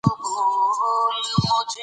دا کار له تېر نه اسانه دی.